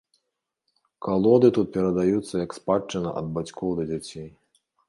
Калоды тут перадаюцца як спадчына ад бацькоў да дзяцей.